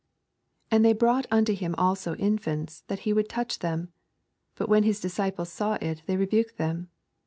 15 And they brought nnto him also Infants, that he would touch them : but when Ms disciples saw U, they rebuked them.